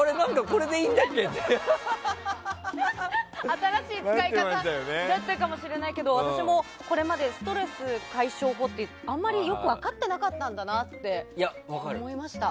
新しい使い方だったかもしれないけど私もこれまでストレス解消法ってあまりよく分かってなかったんだなって思いました。